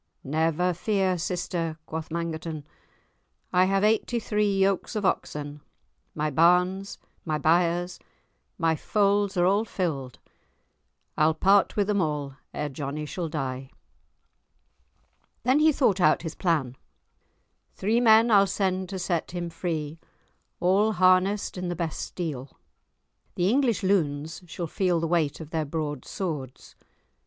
"Never fear, sister," quoth Mangerton, "I have eighty three yokes of oxen, my barns, my byres, my folds are all filled, I'll part with them all ere Johnie shall die." Then he thought out his plan. "Three men I'll send to set him free, all harnessed in the best steel; the English loons shall feel the weight of their broad swords.